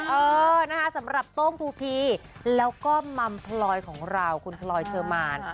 เออนะคะสำหรับโต้งทูพีแล้วก็มัมพลอยของเราคุณพลอยเชอร์มาน